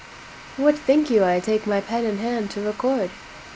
WHAT think you I take my pen in hand to record?